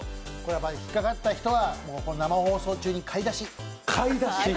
引っかかった人は生放送中に買い出し！